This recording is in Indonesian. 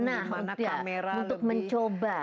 dimana kamera lebih nah untuk mencoba